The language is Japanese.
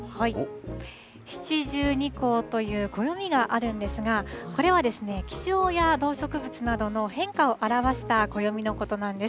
七十二候という暦があるんですが、これは、気象や動植物などの変化を表した暦のことなんです。